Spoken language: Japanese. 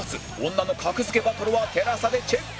女の格付けバトルは ＴＥＬＡＳＡ でチェック